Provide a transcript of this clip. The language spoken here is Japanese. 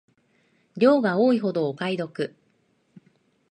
量が多いほどお買い得